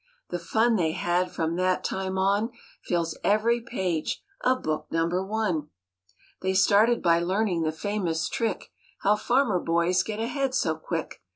The fun they had from that time on Fills every page of Book Number One. They started by famous trick How farmer boys get ahead so quick.